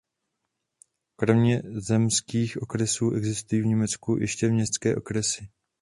Kromě zemských okresů existují v Německu ještě městské okresy.